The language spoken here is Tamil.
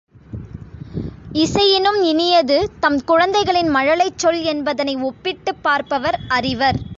இசையினும் இனியது தம் குழந்தைகளின் மழலைச்சொல் என்பதனை ஒப்பிட்டுப் பார்ப்பவர் அறிவர்.